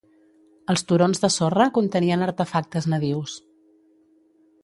Els turons de sorra contenien artefactes nadius.